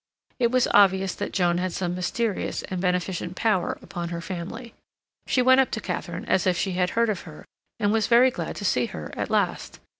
It was obvious that Joan had some mysterious and beneficent power upon her family. She went up to Katharine as if she had heard of her, and was very glad to see her at last.